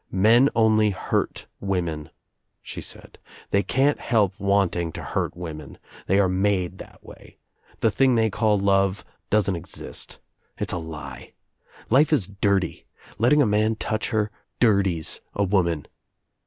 "Men only hurt women," she said, "they can't help wanting to hurt women. They are made that way. The thing they call love doesn't exist. It's a lie." "Life is dirty. Letting a man touch her dirties a woman."